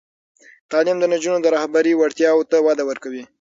تعلیم د نجونو د رهبري وړتیاوو ته وده ورکوي.